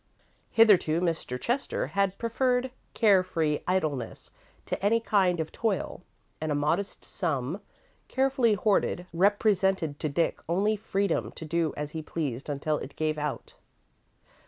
Hitherto, Mr. Chester had preferred care free idleness to any kind of toil, and a modest sum, carefully hoarded, represented to Dick only freedom to do as he pleased until it gave out.